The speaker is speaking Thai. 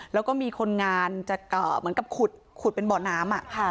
แล้วก็มีคนงานจะเหมือนกับขุดเป็นบ่อน้ำ